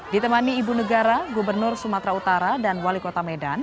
ditemani ibu negara gubernur sumatera utara dan wali kota medan